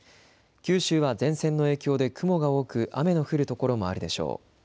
九州は前線の影響で雲が多く雨の降る所もあるでしょう。